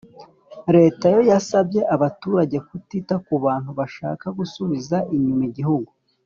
leta yo yasabye abaturage kutita kubantu bashaka gusubiza inyuma igihugu